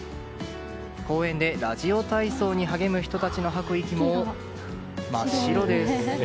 公園でラジオ体操に励む人たちの吐く息も真っ白です。